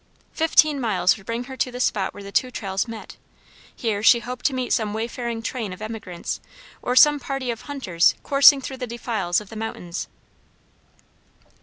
Fifteen miles would bring her to the spot where the two trails met: here she hoped to meet some wayfaring train of emigrants, or some party of hunters coursing through the defiles of the mountains.